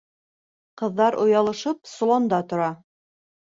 Ҡыҙҙар оялышып соланда тора.